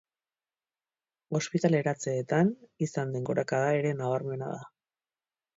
Ospitaleratzeetan izan den gorakada ere nabarmena da.